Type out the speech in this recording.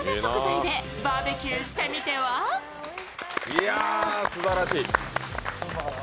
いや、すばらしい。